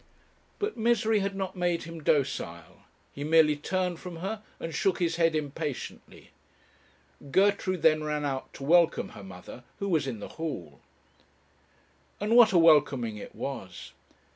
But misery had not made him docile. He merely turned from her, and shook his head impatiently. Gertrude then ran out to welcome her mother, who was in the hall. And what a welcoming it was!